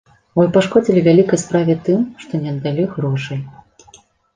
Вы пашкодзілі вялікай справе тым, што не аддалі грошай.